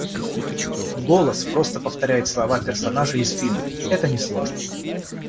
Голос просто повторяет слова персонажей из фильмов, это несложно.